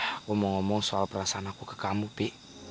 aku mau ngomong soal perasaan aku ke kamu bi